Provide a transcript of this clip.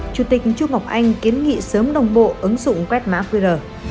chủ tịch chu ngọc anh kiến nghị sớm đồng bộ ứng dụng quét mã qr